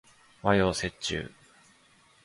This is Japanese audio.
和洋折衷